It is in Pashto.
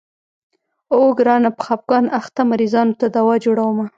اوو ګرانه په خفګان اخته مريضانو ته دوا جوړومه.